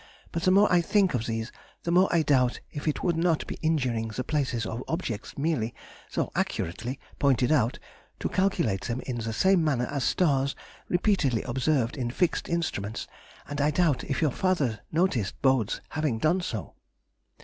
But the more I think of these, the more I doubt if it would not be injuring the places of objects merely (though accurately) pointed out, to calculate them in the same manner as stars repeatedly observed in fixed instruments; and I doubt if your father noticed Bode's having done so.